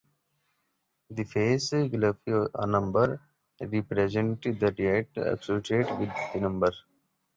The face glyph for a number represents the deity associated with the number.